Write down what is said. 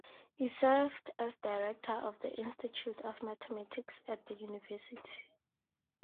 He served as Director of the Institute of Mathematics at the university.